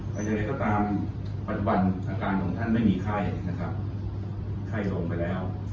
ปัจจัยก็ตามปัจจุบันอาการของท่านไม่มีไข้ไข้ลงไปแล้ว